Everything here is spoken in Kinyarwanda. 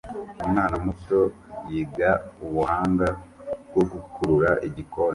Umwana muto yiga ubuhanga bwo gukurura igikoni